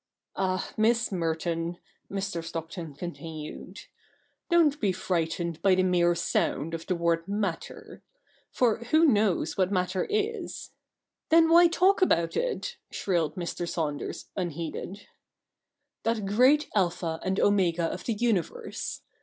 'Ah, Miss Merton,' Mr. Stockton continued, 'don't be frightened by the mere sound of the word matter. For who knows what matter is '—(' Then, why talk about it ?' shrilled Mr. Saunders, unheeded) — 'that great Alpha and Omega of the Universe